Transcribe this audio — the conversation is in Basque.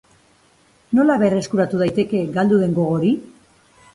Nola berreskuratu daiteke galdu den gogo hori?